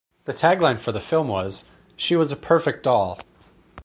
The tagline for the film was She was a perfect doll.